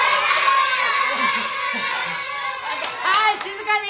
はい静かに。